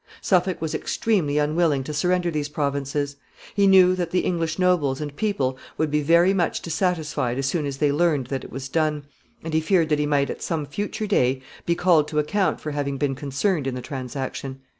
Suffolk was extremely unwilling to surrender these provinces. He knew that the English nobles and people would be very much dissatisfied as soon as they learned that it was done, and he feared that he might at some future day be called to account for having been concerned in the transaction.